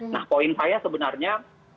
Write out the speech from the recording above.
nah poin saya sebenarnya